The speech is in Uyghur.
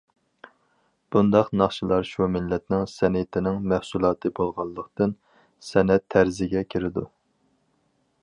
بۇنداق ناخشىلار شۇ مىللەتنىڭ سەنئىتىنىڭ مەھسۇلاتى بولغانلىقتىن« سەنئەت» تەرزىگە كىرىدۇ.